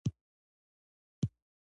باپټیست نان د څارګرو یوه شبکه جوړه کړه.